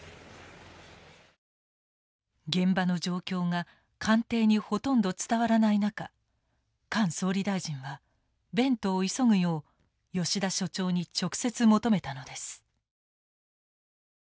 現場の状況が官邸にほとんど伝わらない中菅総理大臣はベントを急ぐよう吉田所長に直接求めたのです。